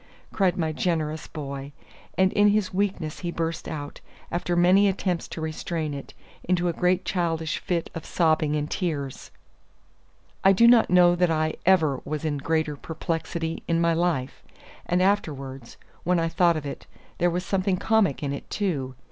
cried my generous boy. And in his weakness he burst out, after many attempts to restrain it, into a great childish fit of sobbing and tears. I do not know that I ever was in a greater perplexity, in my life; and afterwards, when I thought of it, there was something comic in it too.